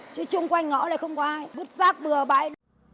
chứ chung quanh ngõ này không có ai bứt rác bửa bãi